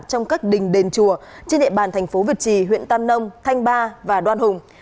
trong các đình đền chùa trên địa bàn thành phố việt trì huyện tam nông thanh ba và đoan hùng